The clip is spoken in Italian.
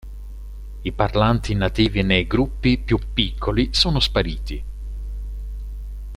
I parlanti nativi nei gruppi più piccoli sono spariti.